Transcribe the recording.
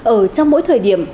ở trong mỗi thời điểm